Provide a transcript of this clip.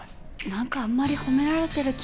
何かあんまり褒められてる気が。